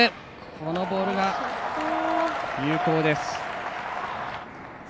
このボールが有効です。